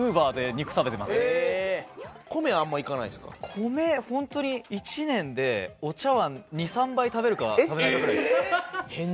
米ホントに１年でお茶碗２３杯食べるか食べないかくらいです。